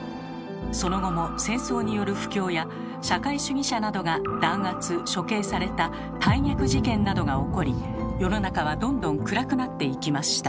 その後も戦争による不況や社会主義者などが弾圧処刑された大逆事件などが起こり世の中はどんどん暗くなっていきました。